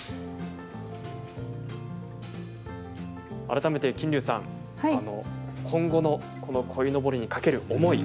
改めて金龍さん今後の鯉のぼりにかける思い